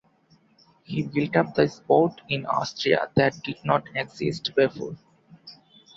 He built up the sport in Austria that did not exist before.